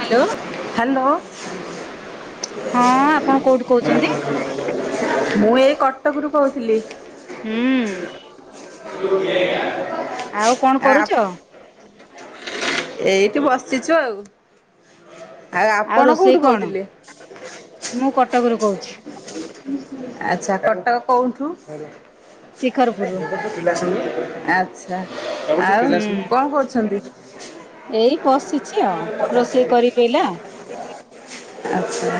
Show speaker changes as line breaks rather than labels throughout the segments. Hello
hello.
ହଁ ଆପଣ କୋଉଠୁ କହୁଛନ୍ତି?
କରୁ କହୁଥିଲି।
ହୁଁ। ଆଉ କଣ
ଆ
କରୁଛ?
ଏଇତ ବସ୍ତୁ ଶିଚୁ ଆଉ। ଆଉ ଆପଣ
ରୋଷେଇ
କୋଉଠୁ
କଣ?
କହୁଥିଲେ?
ମୁଁ କଟକରୁ କହୁଛି
ଆଚ୍ଛା କଟକ କୋଉଠୁ?
ଶିଖରପୁରରୁ।
ଆଚ୍ଛା। କଣ
ହୁଁ ଏଇ
କରୁଛନ୍ତି?
ବସିଛି ଆଉ ରୋଷେଇ
କଛି
କରିବି ଏଇଲା।
[inaudible] ଆଛା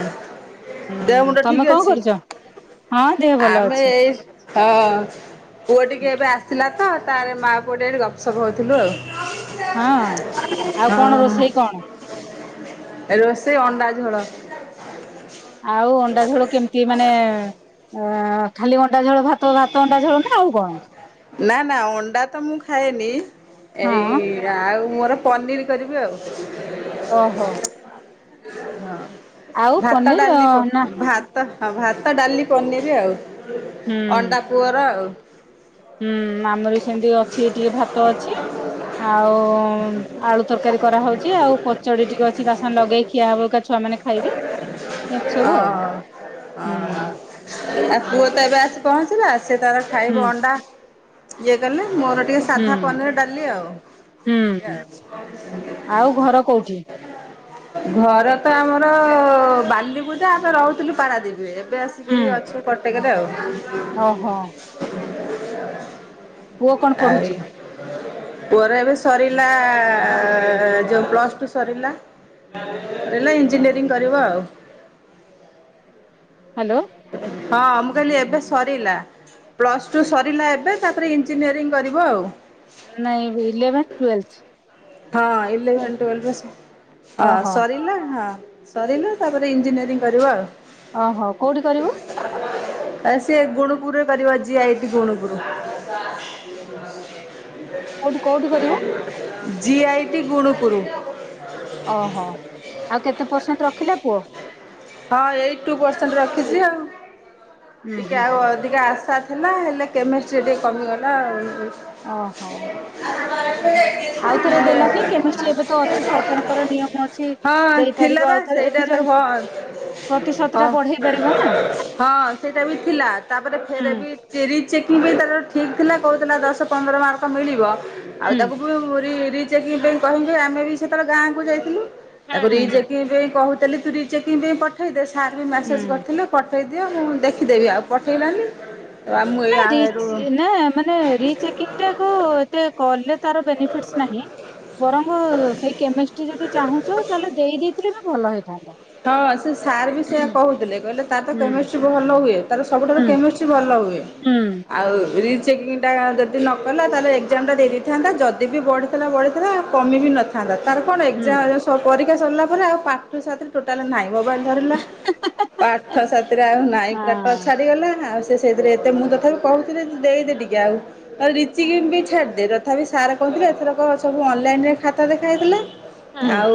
ହୁଁ
ଦେହ ମୁଣ୍ଡ
ତମେ
ଠିକ
କଣ
ଅଛି?
କରୁଛ? ହଁ ଦେହ ଭଲ
ଆମେ
ଅଛି।
ଏଇସ ହଁ ପୁଅ ଟିକେ ଏବେ ଆସିଲା ତ ତାରେ ମାଆ ପୁଅ ଟିକେ ଏଠି ଗପ ସପ ହେଉଥିଲୁ
ହଁ କଣ
ଆଉ। [unintelligible] ହଁ।
ରୋଷେଇ କଣ?
ରୋଷେଇ ଅଣ୍ଡା ଖେଳ।
ଆଉ ଅଣ୍ଡା ଝୋଳ କେମିତି ମାନେ ଅ ଖାଲି ଅଣ୍ଡା ଝୋଳ ଭାତ ଭାତ ଅଣ୍ଡା ଝୋଳ ନା ଆଉ କଣ।
ନା ନା ଅଣ୍ଡା ତ ମୁଁ ଖାଏନି! ଏଇ
ହଁ
ଆଉ ମୁଁର ପନିର କରିବି ଆଉ।
ଓହୋ। ଆଉ
ଭାତ
ପନିର
ଡାଲି ପ
ନା
ଭାତ ହ ଭାତ ଡାଲି ପନିର ଆଉ।
ହୁଁ
ଅଣ୍ଡା ପୁଅର ଆଉ।
ହୁଁ ଆମର ବି ସେମିତି ଅଛି। ଟିକେ ଭାତ ଅଛି ଆଉ ଆଳୁ ତରକାରୀ କରାହେଉଛି। ଆଉ କଚଡି ଟିକେ ଅଛି ତା ସାଙ୍ଗେ ଲଗେଇ ଖିଆ ହବ ଏକ ଛୁଆ ମାନେ ଖାଇବେ। ଏମିତି ସବୁ
ଓ
ଆଉ
ହଅ
ହୁଁ।
ହ। ପୁଅ ତ ଏବେ ଆସି ପହଞ୍ଚିଲା। ସେ ତାର
ହୁଁ
ଖାଇବ ଅଣ୍ଡା ଇଏ କଲେ। ମୋର ଟିକେ ସାଧା
ହୁଁ
ପନିର ଡାଲି ଆଉ।
ହୁଁ। ଆଉ ଘର କୋଉଠି?
[unintelligible] ଘର ତ ଆମର ବାଲି ପୂଜା ଆମେ ରହୁଥିଲୁ ପାରାଦ୍ୱୀପୀ ରେ। ଏବେ ଆସିକିରି
ହୁଁ
ଅଛୁ କଟେକରେ ଆଉ।
ଓହୋ ପୁଅ କଣ
ଆଉ
ପଢୁଛି?
ପୁଅର ଏବେ ସରିଲା, ଯୋଉ ପ୍ଲସ୍ ଟୁ ସରିଲା। ହେଲା ଇଞ୍ଜିନିୟରିଂ କରିବ ଆଉ।
ହ୍ୟାଲୋ।
ହଁ ମୁଁ କହିଲି ଏବେ ସରିଲା। ପ୍ଲସ୍ ଟୁ ସରିଲା ଏବେ ତାପରେ ଇଞ୍ଜିନିୟରିଂ କରିବ ଆଉ।
ନାଇଁ ଇଲେଭେନ୍ ଟୁଏଲ୍ଥ
ହଁ ଇଲେଭେନ୍ ଟୁଏଲଭ୍ ର ସ ହଁ
ଓହୋ
ସରିଲା। ହଁ ହଁ ସରିଲା। ତାପରେ ଇଞ୍ଜିନିୟରିଂ କରିବ ଆଉ।
ଓହୋ କୋଉଠି କରିବୁ?
ଏ ସିଏ ଗୁଣୁପୁରରେ କରିବ ଜି ଆଇ ଟି ଗୁଣୁପୁର।
କୋଉଠି କୋଉଠି କରିବୁ?
ଜି ଆଇ ଟି ଗୁଣପୁରୁ।
ଓହୋ ଆଉ କେତେ ପରସେଣ୍ଟ ରଖିଲା ପୁଅ?
ହଁ ଏଇ ଟୁ ପରସେଣ୍ଟ ରଖିଚି ଆଉ।
ହୁଁ
ଟିକେ
ହୁଁ
ଆଉ
ହୁଁ
ଅଧିକା ଆଶା ହେଲା ହେଲେ କେମିଷ୍ଟ୍ରି ଟିକେ କମିଗଲା ଆଉ।
ଓହୋ। ଆଉ ଥରେ ଦେଲାନି କେମିଷ୍ଟ୍ରି ଏବେ ତ ଅଛି ସରକାରଙ୍କର ନିୟମ ଅଛି ଦେଇପାରିବ ଆଉ ଥରେ। ଏ ନିଜ
ଏ ହଁ ହଁ
ପାରିବ ନା।
ହଁ ସେଇଟା ବି ଥିଲା। ତାପରେ
ହୁଁ
ଫେରେବି ଚିରି ଚେକିଂ ବି ତାର ଠିକ ଥିଲା, କହୁଥିଲା ଦଶ ପନ୍ଦର ମାର୍କ ମିଳିବ। ଆଉ
ହୁଁ
ତାକୁ ବି ରି ରିଚେକିଂ ପାଇଁ କହିଲୁ। ଆମେ ବି ସେତେବେଳେ ଗାଁକୁ ଯାଇଥିଲୁ।
ହୁଁ
ତାକୁ
ହୁଁ
ରିଚେକିଂ ପାଇଁ କହୁ ତାହେଲେ ତୁ ରିଚେକିଂ ପାଇଁ ପଠେଇଦେ ସାର୍ ବି
ହୁଁ
ମେସେଜ୍
ହୁଁ।
କରିଥିଲେ। ପ ପଠେଇଦିଅ ମୁଁ ଦେଖିଦେବି ଆଉ ପଠେଇଲାନି। ଆଉ ମୁଁ ଏଇ
ନାହିଁ
ଆରୁ
ଏ ନା ମାନେ ରିଚେକିଙ୍ଗ ଟାକୁ ଏତେ କଲେ ତାର ବେନିଫିଟ୍ସ
ହ [inaudible]
ବରଂ ସେଇ କେମିଷ୍ଟ୍ରି ଯଦି ଚାହୁଁଚ ତାହେଲେ ଦେଇ ଦେଇଥିଲେ ବି ଭଲ ହେଇଥାନ୍ତା।
ହଁ ସେ ସାର୍ ବି ସେୟା କହୁଥିଲେ। କହିଲେ ତାର ତ
ହୁଁ
କେମିଷ୍ଟ୍ରି ଭଲ ହୁଏ। ତାର ସବୁଠାରୁ
ହୁଁ
କେମିଷ୍ଟ୍ରି ଭଲ ହୁଏ।
ହୁଁ
ଆଉ ରିଚ୍ ଚେକିଂଟା ଯଦି ନ କଲା। ତାହେଲେ ଏକ୍ଜାମ ଟା ଦେଇ ଦେଇଥାନ୍ତା। ଯଦି ଯଦି ବଢିଥିଲା ବଢିଥିଲା କମି ବି ନଥାନ୍ତା। ତାର କଣ
ହୁଁ
ଏକ୍ଜାମ ସ ପରି କ୍ଷା ସରିଲା ପରେ ଆଉ ପାଠ ସାଥିରେ ଟୋଟାଲି ନାହିଁ। ମୋବାଇଲ୍ ଧରିଲା ପାଠ ସାଥିରେ ଆଉ ନାଇ ପୁରା ଟଚ୍
ହଁ।
ଛାଡିଗଲା ଆଉ ସେ ସେଇଥିରେ ଏତେ ମୁଁ ତଥାପି କହୁଥିଲି ତୁ ଦେଇଦେ ଟିକେ ଆଉ ରିଚେକିଙ୍ଗ୍ ପାଇଁ ଛାଡିଦେ ତଥାପି ସାର୍ କହୁଥିଲେ ଏଥରକ ସବୁ ଅନଲାଇନ୍ ରେ ଖାତା ଦେଖାହେଇଥିଲା।
ହୁଁ
ଆଉ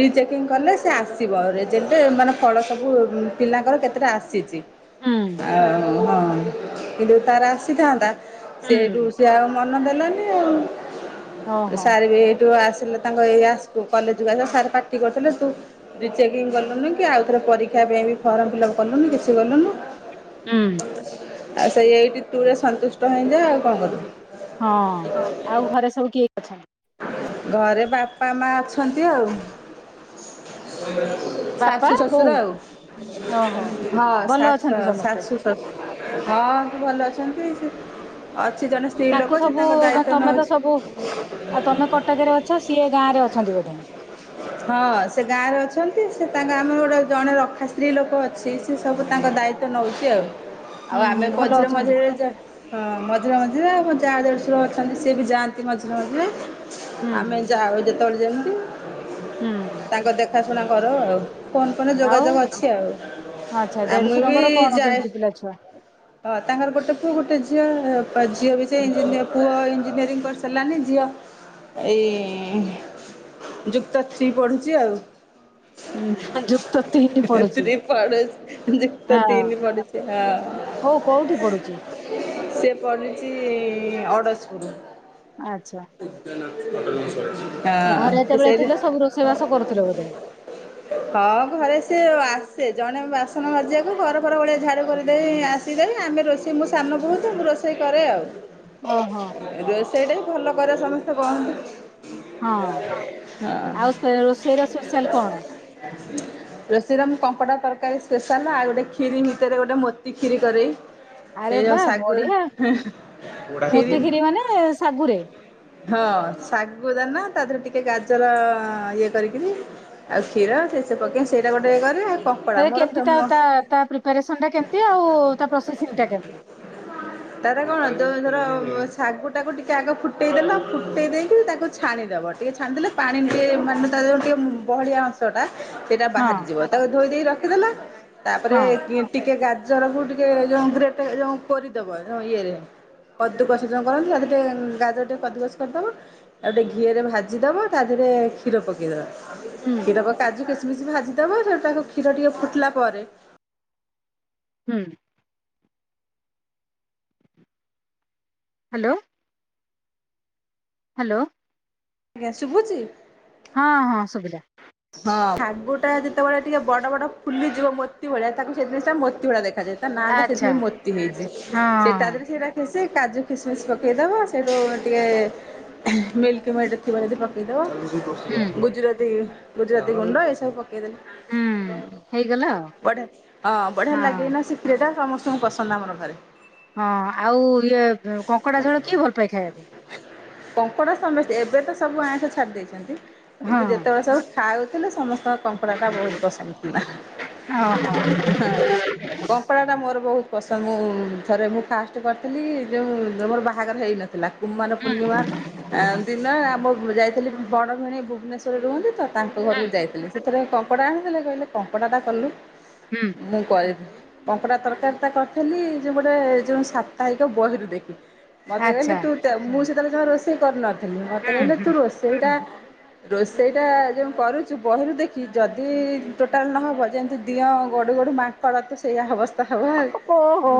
ରିଚେକିଂ କଲେ ସେ ଆସିବ। ରେଜଲ୍ଟ ମାନେ ଫଳ ସବୁ ପିଲାଙ୍କର କେତେଟା ଆସିଚି।
ହୁଁ
ଆ, ହଁ କିନ୍ତୁ ତାର ଆସିଥାନ୍ତା। ସେଇଟୁ
ହୁଁ
ସିଏ ଆଉ ମନ ଦେଲାନି ଆଉ ଏ
ଓହୋ
ସାର୍ ବି ଏଇଟୁ ଆସ ଥିଲେ ତାଙ୍କ ଏରିଆ ସ୍କୁ କଲେଜ୍ କୁ ଆ ତାଙ୍କ ସାର୍ ପାଟି କରିଥିଲେ ତୁ ରିଚେକିଂ କଲୁନିକି। ଆଉ ଥରେ ପରୀ କ୍ଷା ପାଇଁ ବି ଫର୍ମ ଫିଲ୍ଅପ କଲୁନି। କିଛି କଲୁନୁ
ହୁଁ
ଆଉ ସେଇ ଏଇଟି ଟୁରେ ସନ୍ତୁଷ୍ଟ ହେଇଯା ଆଉ କଣ କରିବୁ।
ହଁ ଆଉ ଘରେ ସବୁ କିଏ ଅଛନ୍ତି?
ଘରେ ବାପା ମା ଅଛନ୍ତି ଆଉ।
ବାପା
ଶାଶୁ
ବୋଉ
ଶଶୁର ଆଉ।
ଓହୋ
ହଁ
ଭଲ
ଶାଶ
ଅଛନ୍ତି ସମସ୍ତେ।
ଶାଶୁ ଶଶୁ ହଁ ସେ ଭଲ ଅଛନ୍ତି। ସେ ଅଛ ସେ ଜଣେ ସ୍ତ୍ରୀ
ତାଙ୍କୁ
ଲୋକ ସେ
ସବୁ
ତାଙ୍କ
ମାନେ
ଦାୟିତ୍ୱ
ତମେ ତ ସବୁ
ନଉଛି।
ଆଉ ତୋମେ କଟକରେ ଅଛ। ସିଏ ଗାଁ ରେ ଅଛନ୍ତି ବୋଧେ?
ହଁ ସେ ଗାଁରେ ଅଛନ୍ତି ସେ ତାଙ୍କ ଆମର ଗୋଟେ ଜଣେ ରଖା ସ୍ତ୍ରୀ ଲୋକ ଅଛି। ସିଏ ସବୁ ତାଙ୍କ ଦାୟିତ୍ୱ ନଉଚି ଆଉ ଆଉ
ହୁଁ ହୁଁ
ଆମେ
ଭଲ
ମଝିରେ
ଅଛନ୍ତି।
ମଝିରେ ଯା ହଁ ମଝିରେ ମଝିରେ, ଆମ ଯା ଦେଢଶୁର ଅଛନ୍ତି ସିଏ ବି ଯାଆନ୍ତି ମଝିରେ ମଝିରେ। ଆମେ
ହୁଁ
ଯାଉ ଯେତେବେଳେ ଯେମିତି
ହୁଁ।
ତାଙ୍କ ଦେଖାଶୁଣା କରୁ ଆଉ। ଫୋନ ଫାନ
ଆଉ
ଯୋଗାଯୋଗ ଅଛି
ଆଚ୍ଛା
ଆଉ ମୁଁ ବି
ଦେଢଶୁରଙ୍କର କଣ
ଯାଏ
କେମିତି ପିଲା ଛୁଆ?
ହଁ ତାଙ୍କର ଗୋଟେ ପୁଅ ଗୋଟେ ଝିଅ ଝିଅ ବି
ଉଁ ହୁଁ
ଇଞ୍ଜିନିଅର ପୁଅ ଇଞ୍ଜିନିୟରିଂ କରିସାରିଲାନି। [inaudible] ଏଇ ଯୁକ୍ତ ଥ୍ରୀ ପଢୁଛି ଆଉ।
[inaudible] ହୁଁ ଯୁକ୍ତଥ୍ରୀ ହିଁ ପଡୁଛି
ଥ୍ରୀ ପଡୋଶୀ ଯୁକ୍ତ
ହଁ
ତିନି ପଡୁଛି ହଁ
ହଉ କୋଉଠି ପଢୁଛି?
କରୁଛି ଅଡସପୁରୁ
ଆଚ୍ଛା।
[unintelligible] [inaudible]
ଘରେ
ହଁ
ଯେତେବେଳେ
ସେଇଠି
ଥିଲେ ସବୁ ରୋଷେଇବାସ କରୁଥିଲେ ବୋଧେ?
ହଁ ଘରେ ସେ ଆସ ସେ ଜଣେ ବାସନ ମାଜିବାକୁ ଘର ଫର ଓଲେଇକି ଝାଡୁ କରିଦେଇ ଆସିଦେବେ ଆମେ ରୋଷେଇ ମୁଁ ସାନ ବୋହୁ ତ ମୁଁ ରୋଷେଇ ରୋଷେଇ କରେ
ଓହୋ।
ଆଉ ରୋଷେଇ ଟା ଭଲ କରେ ସମସ୍ତେ କହନ୍ତିୁ।
ହଁ ଆଉ ରୋଷେଇର ସ୍ପେଶାଲ କଣ?
ରୋଷେଇରେ କଙ୍କଡା ତରକାରୀ ସ୍ପେଶାଲ ଆଉ ଗୋଟେ ଖିରି ଭିତରେ ଗୋଟେ ମୋତି ଖିରି କରେ।
ଆରେ
ସେଇ
ବା
ଶାଗୁ [inaudible]
ବଢିଆ ମୋତିଖିରି ମାନେ ଶାଗୁରେ।
ହଁ ଶାଗୁ ଦାନା ତା ଦେହରେ ଟିକେ ଗାଜର ଇଏ କରିକିରି ଆଉ କ୍ଷୀର ସେସ ପକେଇ ସେଇଟା ଗୋଟେ ଇଏ କରେ
ସେ
କଙ୍କଡ଼ା ମୋର
କେମିତି ତା ତା
ଫେମସ୍
ତା ପ୍ରିପାରେସନ୍ଟା କେମିତି ଆଉ ତା ପ୍ରୋସେସିଂଟା କେମତି?
ତାର କଣ ତମେ ଧର ଶାଗୁଟାକୁ ଟିକେ ଆଗ ଫୁଟ ଫୁଟାଇଦେଲ ଫୁଟେଇ ଦେଇକି ତାକୁ ଛାଣିଦେବ ଟିକେ ଛାଣିଦେଲେ ପାଣି ଟିକେ ମାନେ ତା ଯେଉଁ ଟିକେ ବହଳିଆ ଅଂଶ ଟା ସେଇଟା
ହଁ
ବାହାରିଯିବ ତାକୁ ଧୋଇ ଦେଇେଇ ରଖିଦେଲ ତାପରେ
ହଁ
ଟିକେ ଗାଜାର ର ଟିକେ ଯୋଉ ଗ୍ରେଟ ରେ ଯୋଉ କୋରି କରିଦବ ଯୋଉଁ ଇଏରେ କଦୁକସଜନ କରନ୍ତୁ ସେ ଟରେ ଗାଜର [inaudible] କାଦୁକସ କରିଦବା ଆଉ ଗୋଟେ ଘିଅ ରେ ଭାଜିଦବା ତା ଦେହରେ କ୍ଷୀର ପ
ହୁଁ
କ୍ଷୀର କାଜୁ କିସମିସ ଭାଜିଦବ ତାକୁ କ୍ଷୀର ଟିକେ ଫୁଟିଲା ପରେ
ହୁଁ ହ୍ୟାଲୋ। ହ୍ୟାଲୋ।
ଆଜ୍ଞା ଶୁଭୁଚି।
ହଁ ହଁ ସୁଭିଲା।
ଶାଗୁ ଟା ଯେତେବେଳେ ଟିକେ ବଡ ବଡ ଫୁଲି ଯିବ ମୋର୍ତି ଭଳିଆ ତାକୁ ସେ ଜିନି ଟା ମୋତି ଭଳିଆ ଦେଖ ତା ନାଆଁ ଟା ସେଥି
ଆଚ୍ଛା
ପାଇଁ ମୋତି ହେଇଛି
ହଁ
ସେ
ହଁ
ତାଦିରେ ସେଇଟା ଖେସେ କାଜୁ କିସମିସ ପକାଇଦେବା ସେଇଠୁ ଟିକେ ମିଲ୍କି ମେଡ଼୍ ଥିବ ଯଦି ପକାଇଦେବ
ହୁଁ।
ଗୁଜୁରାତି ଗୁଜୁରତି ଗୁଣ୍ଡ ଏସବୁ ପ
ହୁଁ
କୁଆଡ଼େ
ହେଇଗଲା ଆଉ।
ହଁ ବଢିଆ ଲାଗିବ
ହଁ।
ନା ଖିରି ଟା। ସମସ୍ତଙ୍କୁ ପସନ୍ଦ ଆମର ଘରେ।
ହଁ ଆଉ ଇଏ କଙ୍କଡ଼ା ଝୋଳ କିଏ ଭଲ ପାଏ ଖାଇବାକୁ?
କଙ୍କଡ଼ା ସମସ୍ତେ ଏବେ ତ ସବୁ ଆଇଁସ ଛାଡ଼ି ଦେଇେଇଛନ୍ତି କିନ୍ତୁ
ହଁ
ଯେତେବେଳେ ସବୁ ଖାଉଥିଲେ ସମସ୍ତଙ୍କ କଙ୍କଡ଼ାଟା ବହୁତ ପସନ୍ଦ ଥିଲା।
ଓହୋ ହୁଁ
ହଁ କଙ୍କଡ଼ାଟା ଟା ମୋର ବହୁତ ପସ ମୁ ଥରେ ମୁଁ ଫାଷ୍ଟ କରିଥିଲି ଯେଉଁ ମୋର ବାହାଘର ହେଇନଥିଲା। କୁମ୍ଭାର ପୂର୍ଣ୍ଣିମା ଆ ଦିନ ଆମ ଯାଇଥିଲି ବଡ଼ଭି ନେଇଭୁବନେଶ୍ୱରରେ ରୁହନ୍ତି ତ ତାଙ୍କ
ହୁଁ
ଘରକୁ ଯାଇଥିଲି ସେଥିରେ କଙ୍କଡ଼ା ଆଣିଥିଲେ କହିଲେ କଙ୍କଡ଼ାଟା କଲୁ
ହୁଁ
ମୁଁ କରି କଙ୍କଡା ତରକାରୀ ତା କରିଥେଲି ଯେ ଗୋଟେ ଯୋଉ ସାପ୍ତାହିକ ବହିରୁ ଦେଖି। ମତେ କହିଲେ
ଆଚ୍ଛା।
ତୁ ମୁଁ ସେତେବେଳେ ଯମା ରୋଷେଇ କରୁନଥିଲି ମତେ
ହୁଁ
କହିଲେ ତୁ
ହୁଁ
ରୋଷେଇ ଟା ରୋଷେଇଟା ଯେ କରୁଛୁ ବହିରୁ ଦେଖି ଯଦି ଟୋଟାଲ ନହବ ଯେମିତି ଦିଅଁ ଗଢୁ ଗଢୁ ମାଙ୍କଡ଼ ତ ସେଇଆ ହବ ସ୍ ହବ ଆଉ
ଓହୋ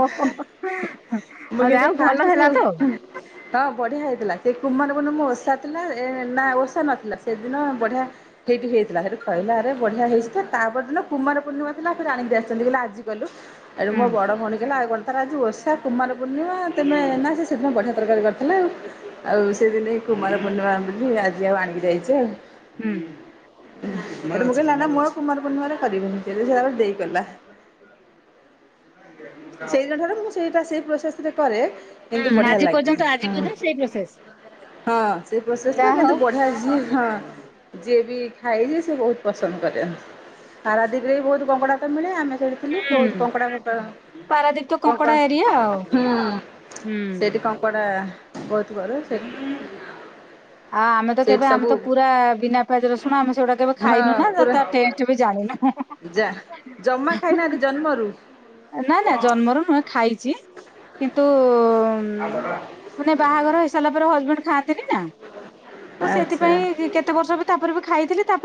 ମୁଁ କିନ୍ତୁ
ଯାହଉ ଭଲ
ଫାଷ୍ଟେ
ହେଲା
ସେଉ
ତ।
ହଁ ବଢ଼ିଆ ହେଇଥିଲା ସେ କୁମାର ପୂଣ୍ଣମି ଓଷା ଥିଲା ଏ ନା ଓଷା ନଥିଲା ସେଦିନ ବଢ଼ିଆ ସେଇଠି ହେଇଥିଲା ହେଠୁ କହିଲା ଆରେ ବଢିଆ ହେଇଚିତ ତାପରଦିନ କୁମାର ପୂର୍ଣିମା ଥିଲା ସେ ଆଣିକି ଆସିଛନ୍ତି କହିଲେ ଆଜି କଲୁ। ଏଠୁ
ହୁଁ
ମୋ ବଡ ଭଉଣି କହିଲା ଆଉ କଣ ତାର ଆଜି ଓଷା କୁମାର ପୂର୍ଣ୍ଣିମା ତେମେ ନା ସେ ସେଦିନ ବଢ଼ିଆ ତରକାରୀ କରିଥିଲେ ଆଉ ସେଦିନେ କୁମାର ପୂର୍ଣ୍ଣିମା ବୋଲି ଆଜିଆଉ ଆଣିକି ଯାଇଛି ଆଉ।
ହୁଁ
ମୁଝେ ନା ନା ମୁଁ ଆଉ କୁମାର ପୁର୍ଣିମାରେ କରିବିନି ଯଦିସେମାନେ ଦେଇ ପାରବା। ସେଇଦିନ ଠାରୁ ମୁଁ ସେଇଟା ସେଇ ପ୍ରୋସେସ ରେ କରେ, କିନ୍ତୁ
ହୁଁ
ବଢିଆ
ଆଜି
ଲାଗେ
ପର୍ଯ୍ୟନ୍ତ ଆଜି
ହଁ।
ବଧେ ସେଇ ପ୍ରୋସେସ
ହଁ ସେଇ ପ୍ରୋସେସ ଟା କିନ୍ତୁ ବଢିଆ ହେଇଛିହଁ ଯିଏ ବି ଖାଇଯେ ସିଏ ବହୁତ ପସନ୍ଦ କରେ ହାରା ଦିପରେ ବି ବହୁତ କଙ୍ଗଡ଼ା ତ ମିଳେ ଆମେ ଖେଳିଥିଲୁ କୋଉଠୁ
ହୁଁ
କଙ୍କଡା ବେପାର
ପାରାଦୀପ ତ
କଣ
କଙ୍କଡା ଏରିଆ ଆଉ।
କଣ ହୁଁ
ହୁଁ।
ସେଠି କଙ୍କଡ଼ା ବହୁତ ବଡ଼ ସେଠିତି [unintelligible]
ଆଉ ଆମେ ତ କେବେ ଆମେ ତ ପୁରା ବିନା ପା ପିଆଜ ରସୁଣ ଆମେ ସେଗୁଡା କେବେ
ହଁ
ଖାଇନୁ ନା
ପୁରା
ତା ଟେଷ୍ଟ ବି ଜାଣିନୁ ହୁଁ ହୁଁ ହୁଁ
ସେ ମରୁ।
ନା ନା ଜନ୍ମରୁ ନୁହେଁ ଖାଇଛି କିନ୍ତୁ ହ ମାନେ ବାହାଘର ହେଇସାରିଲା ପରେ ହଜବେଣ୍ଡ ଖାଆନ୍ତିନି ତ
ଆଚ୍ଛା
ସେଥିପାଇ କେତେ ବର୍ଷ ବି ତାପରେ ବି ଖାଇଥିଲି ତା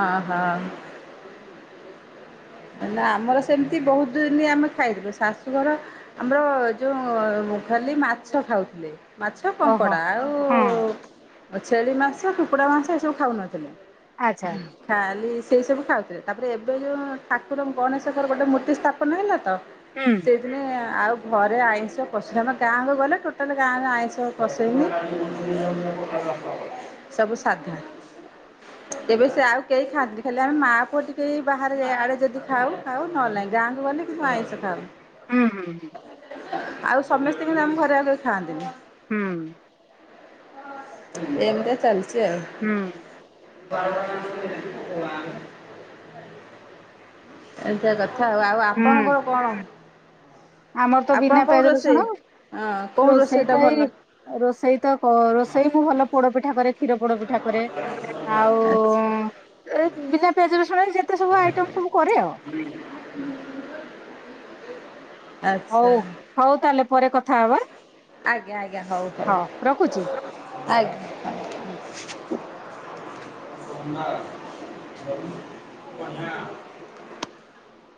ହ ହ ନାଁ ଆମର ସେମିତି ବହୁତ ଦିନି ଆମେ ଖାଇଥିଲୁ ଶାଶୁଘର ଆମର ଯୋଉ ମୁଁ ଖାଲି ମାଛ ଖାଉଥିଲି। ମାଛ
ଓହୋ।
କଙ୍କଡ଼ା ଆଉ
ହଁ
ଛେଳି ମାଂଛ କୁକୁଡ଼ା ମାଂଛ ଏସବୁ ଖାଉନଥିଲେ।
ଆଚ୍ଛା
ଖାଲି ସେଇ ସବୁ ଖାଉଥିଲେ ତାପରେ ଏବେ ଯୋଉ ଠାକୁର ଗଣେଶଙ୍କର ଗୋଟେ ମୂର୍ତ୍ତି ସ୍ଥାପନ ହେଲା ତ
ହୁଁ
ସେଇଦିନେ ଆଉ ଘରେ ଆଇଁଷ ପସିଅନି ଗାଁକୁ ଗଲେ ଟୋଟାଲ ଗାଁରେ ଆଇଁଷ ପଷେନି ସବୁ ସାଧା ଏବେ ସେ ଆଉ କେହି ଖାତି ଖାଲି ଆମେ ମା ପୁଅ ଟିକେ ବାହାରେ ଯେ ଆଡେ ଯଦି ଖାଉ ଖାଉ ନହେଲେ ନାହିଁ ଗାଁକୁ ଗଲେ କିନ୍ତୁ ଆଇଁଷ ଖାଉ
ହୁଁ ହୁଁ ହୁଁ।
ଆଉ ସମସ୍ତେ କିନ୍ତୁ ଆମ ଘରେ ଆଗରୁ ଖାଆନ୍ତିନି।
ହୁଁ।
ଏମତିଆ ଚାଲଛି।
ହୁଁ।
[inaudible] ଏଟା କଥା ଆଉ ଆଉ
ହୁଁ
ଆପଣଙ୍କର କଣ?
ଆମର ତ
ଆପଣ
ବିନା
କୋଉ
ପିଆଜ
ରୋଷେଇ?
ରସୁଣ।
ହଁ କୋଉ
ରୋଷେଇ
ରୋଷେଇଟା
ତ
ଭଲ?
ଏଇ ରୋଷେଇ ତ କ ରୋଷେଇ ମୁଁ ଭଲ ପୋଡ ପିଠା କରେ। କ୍ଷୀର ପୋଡ ପିଠା କରେ ଆଉ
ଆଚ୍ଛା
ଏ ବିନା ପିଆଜ ରସୁଣରେ ଯେତି
ହୁଁ।
ହଉ ହଉ ତାହେଲେ ପରେ କଥା ହବା।
ଆଜ୍ଞା ଆଜ୍ଞା। ହଉ ହଉ
ହଁ ରଖୁଛି।
ଆଜ୍ଞା।
ହୁଁ।
[inaudible]